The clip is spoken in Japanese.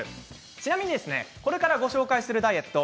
ちなみに、これからご紹介するダイエット